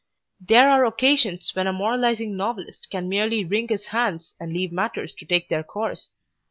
There are occasions when a moralising novelist can merely wring his hands and leave matters to take their course.